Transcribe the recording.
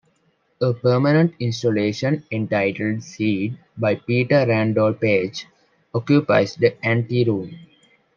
A permanent installation entitled "Seed", by Peter Randall-Page, occupies the anteroom.